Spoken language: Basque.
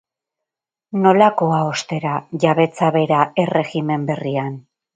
Nolakoa ostera, jabetza bera erregimen berrian?